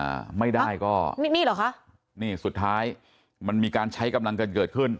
อ่าไม่ได้ก็นี่นี่เหรอคะนี่สุดท้ายมันมีการใช้กำลังกันเกิดขึ้น